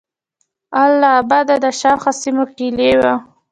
اله آباد د شاوخوا سیمو کیلي وه.